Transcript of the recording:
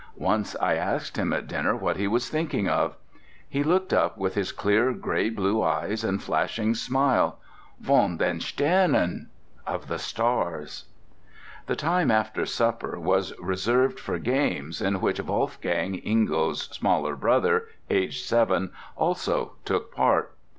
Once I asked him at dinner what he was thinking of. He looked up with his clear gray blue eyes and flashing smile: "Von den Sternen!" ("Of the stars.") The time after supper was reserved for games, in which Wolfgang, Ingo's smaller brother (aged seven), also took part.